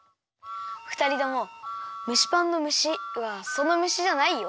ふたりとも蒸しパンの「むし」はその「むし」じゃないよ。